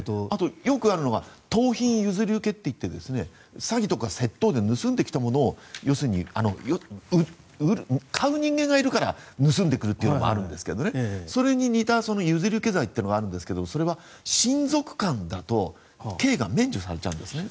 後、よくあるのが盗品譲り受けといって詐欺とか盗んできたものを要するに、買う人間がいるから盗んでくるというのもあるんですがそれに似た譲り受け罪があるんですが親族間だと刑が免除されちゃうんです。